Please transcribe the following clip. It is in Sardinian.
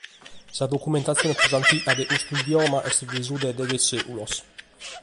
Sa documentatzione prus antiga de custu idioma est de su de deghe sèculos.